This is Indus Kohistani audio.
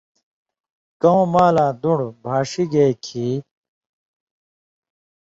کؤں مالاں دُن٘ڑہۡ بھاݜژی گے کھیں